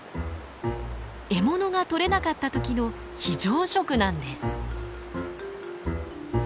獲物が取れなかった時の非常食なんです。